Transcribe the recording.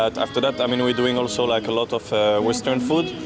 tapi setelah itu kita akan membuat banyak makanan western